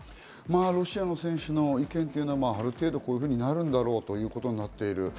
ロシアの選手の意見っていうのも、ある程度、こういうふうになるんだろうということになっている。